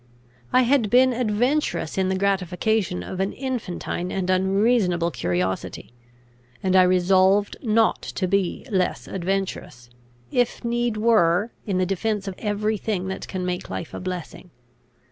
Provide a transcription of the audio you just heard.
I had been adventurous in the gratification of an infantine and unreasonable curiosity; and I resolved not to be less adventurous, if need were, in the defence of every thing that can make life a blessing.